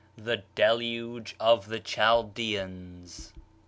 THE DELUGE OF THE CHALDEANS.